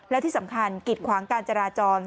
และที่สำคัญกิดขวางการจราจร